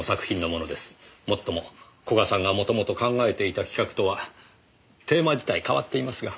もっとも古賀さんが元々考えていた企画とはテーマ自体変わっていますが。